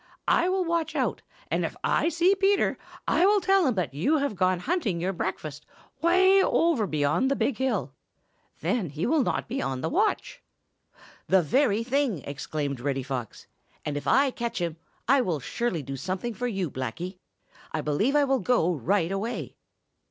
I will watch out, and if I see Peter, I will tell him that you have gone hunting your breakfast way over beyond the big hill. Then he will not be on the watch." "The very thing," exclaimed Reddy Fox, "and if I catch him, I will surely do something for you, Blacky. I believe that I will go right away."